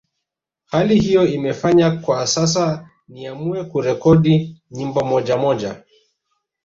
Hali hiyo imenifanya kwa sasa niamue kurekodi nyimbo moja moja